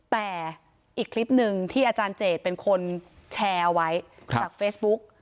แต่อีกคลิปหนึ่งที่อาจารย์เจดเป็นคนแชร์เอาไว้จากเฟซบุ๊ก